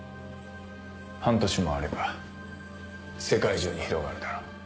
半年もあれば世界中に広がるだろう。